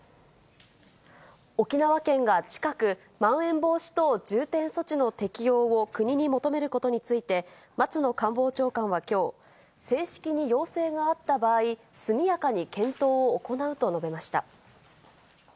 沖縄県が近く、まん延防止等重点措置の適用を国に求めることについて、松野官房長官はきょう、正式に要請があった場合、速やかに検討を行うと述べました。